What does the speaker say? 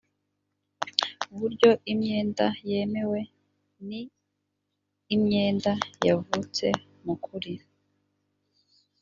buryo imyenda yemewe ni imyenda yavutse mu kuri